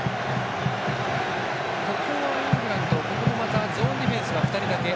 ここはイングランドゾーンディフェンス２人だけ。